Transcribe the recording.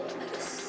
gimana gips si susah